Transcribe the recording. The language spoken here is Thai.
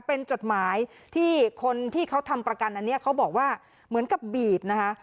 เป็นจดหมายที่คนที่เขาทำประกันอันนี้เขาบอกว่าเหมือนกับบีบนะคะ